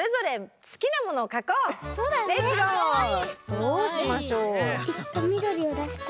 どうしましょう。